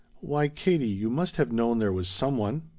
Why, Katie you must have known there was some one."